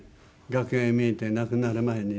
楽屋に見えて亡くなる前にね。